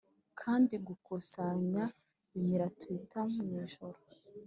kandi gukusanya bimira twitter mwijuru.